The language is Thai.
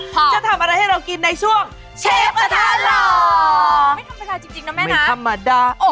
พอจะทำอะไรให้เรากินในช่วงเชฟอาทารอไม่ธรรมดาจริงนะแม่นะไม่ธรรมดาโอ้โฮ